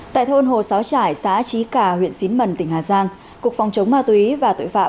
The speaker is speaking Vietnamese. tại thôn hồ xáo trải xã trí cà huyện xín mần tỉnh hà giang cục phòng chống ma túy và tội phạm